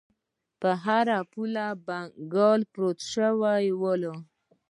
په هر پوله بنګړي مات شول.